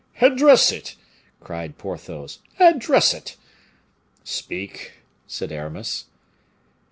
"Address it!" cried Porthos; "address it!" "Speak," said Aramis.